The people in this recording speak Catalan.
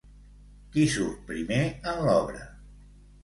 Qui surt primer en l'obra?